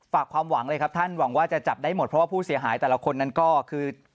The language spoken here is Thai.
ฝากความหวังเลยครับท่านหวังว่าจะจับได้หมดเพราะว่าผู้เสียหายแต่ละคนนั้นก็คือ